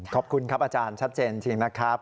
ขอบคุณครับอาจารย์ชัดเจนจริงนะครับ